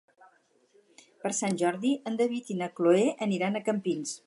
Per Sant Jordi en David i na Cloè aniran a Campins.